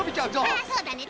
ああそうだね。